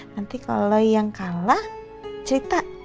nanti kalau yang kalah cerita